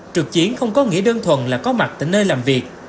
trực chiến không có nghĩa đơn thuần là có mặt tại nơi làm việc